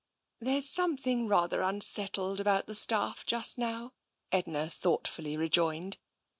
" There's something rather unsettled about the staff just now," Edna thoughtfully rejoined.